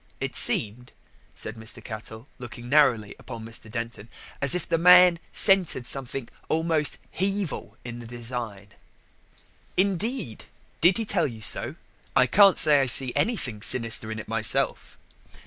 It seemed," said Mr. Cattell, looking narrowly upon Mr. Denton, "as if the man scented something almost Hevil in the design." "Indeed? did he tell you so? I can't say I see anything sinister in it myself."